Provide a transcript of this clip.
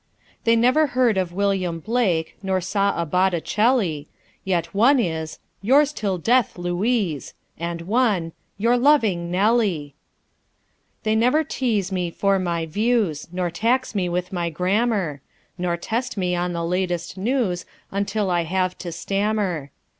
They never heard of William Blake, Nor saw a Botticelli; Yet one is, "Yours till death, Louise," And one, "Your loving Nelly." They never tease me for my views, Nor tax me with my grammar; Nor test me on the latest news, Until I have to stammer.